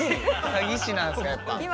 詐欺師なんすかやっぱ。